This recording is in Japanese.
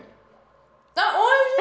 あっおいしい！